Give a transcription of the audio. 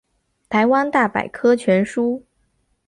台湾大百科全书